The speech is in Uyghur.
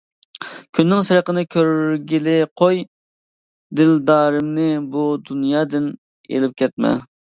كۈننىڭ سېرىقىنى كۆرگىلى قوي، دىلدارىمنى بۇ دۇنيادىن ئېلىپ كەتمە!